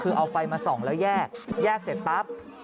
คือเอาไฟมาส่องแล้วแยกแยกเสร็จปั๊บ